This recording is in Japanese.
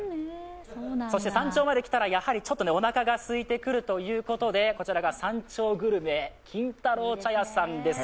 山頂まで来たら、おなかが空いてくるということで、こちらは山頂グルメ金太郎茶屋さんです。